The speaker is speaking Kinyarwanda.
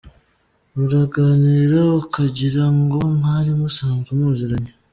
Muraganira ukagira ngo mwari musanzwe muziranye.